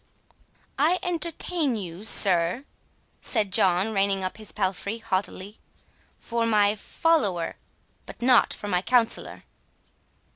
"I entertained you, sir," said John, reining up his palfrey haughtily, "for my follower, but not for my counsellor."